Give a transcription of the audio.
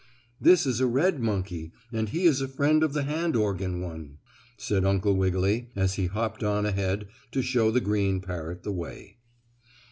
"This is a red monkey, and he is a friend of the hand organ one," said Uncle Wiggily, as he hopped on ahead to show the green parrot the way.